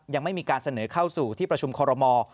ยังไม่มีการเสนอเข้าสู่ที่ประชุมคอรมอล